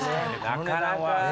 なかなかね。